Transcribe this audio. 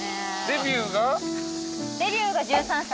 デビューが１３歳。